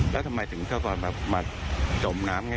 แล้วทำไมถึงเขาก่อนมาจมน้ำง่าย